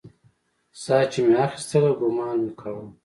ساه چې مې اخيستله ګومان مې کاوه.